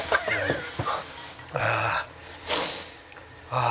ああ！